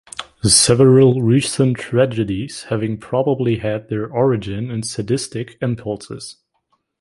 Several recent tragedies having probably had their origin in sadistic impulses.